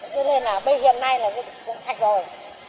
cho nên là bây hiện nay là cũng sạch rồi